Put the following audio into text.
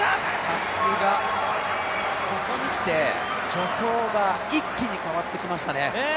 さすが、ここにきて助走が一気に変わってきましたね。